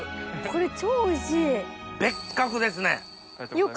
これ超おいしい！